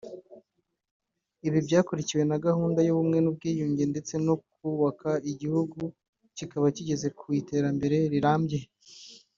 Ibi byakurikiwe na gahunda y’ubumwe n’ubwiyunge ndetse no kubaka igihugu kikaba kigeze ku iterambere rirambye